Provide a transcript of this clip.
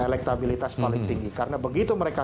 elektabilitas paling tinggi karena begitu mereka